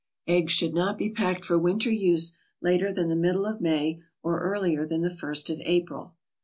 Eggs should not be packed for winter use later than the middle of May or earlier than the first of April.